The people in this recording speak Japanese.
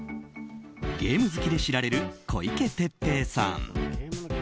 ゲーム好きで知られる小池徹平さん。